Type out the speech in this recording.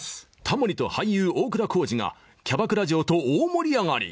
「タモリと俳優・大倉孝二がキャバクラ嬢と大盛り上がり！」